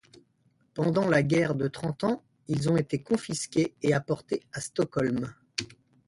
Pendant la Guerre de Trente Ans, ils ont été confisqués et apportés à Stockholm.